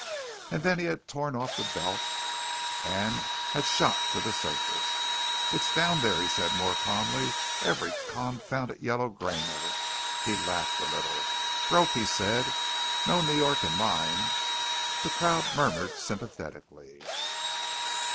And then he had torn off the belt, and had shot to the surface. "It's down there," he said more calmly, "every confounded yellow grain of it." He laughed a little. "Broke!" said he. "No New York in mine!" The crowd murmured sympathetically.